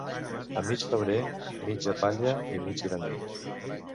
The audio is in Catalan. A mig febrer, mitja palla i mig graner.